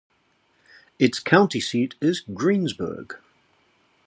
Its county seat is Greensburg.